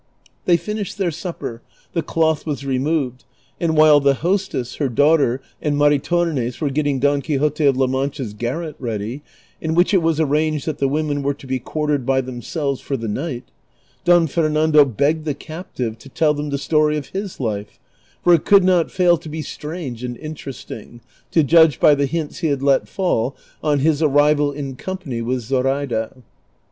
They finished their supper, the cloth was removed, and while the hostess, her daughter, and Maritonies were getting Don Qiiixote of La Mancha's garret ready, in which it was arranged that the women were to be quartered by themselves for the night, Don Fernando begged the captive to tell them the story of his life, for it could not fail to be strange and interesting, to judge by the hints he had let fall on his arrival in company with Zoraida.